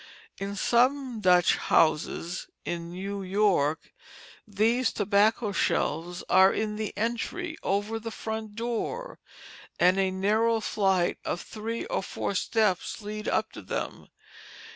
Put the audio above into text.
In some Dutch houses in New York these tobacco shelves are in the entry, over the front door, and a narrow flight of three or four steps leads up to them.